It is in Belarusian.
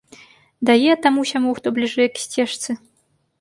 Дае таму-сяму, хто бліжэй к сцежцы.